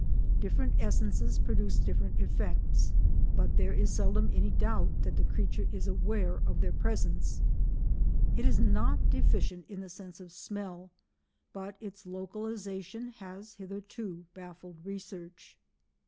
Different essences produce different effects, but there is seldom any doubt that the creature is aware of their presence; it is not deficient in the sense of smell, but its localisation has hitherto baffled research.